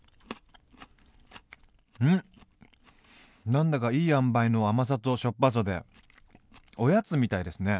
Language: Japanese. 何だかいい塩梅の甘さとしょっぱさでおやつみたいですね。